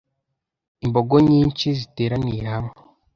imbogo nyinshi ziteraniye hamwe